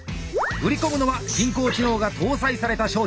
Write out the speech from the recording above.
売り込むのは人工知能が搭載された商品。